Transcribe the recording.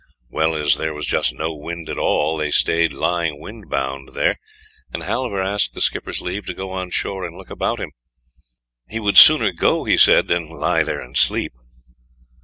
Well, as there was just no wind at all, they stayed lying wind bound there, and Halvor asked the skipper's leave to go on shore and look about him; he would sooner go, he said, than lie there and sleep.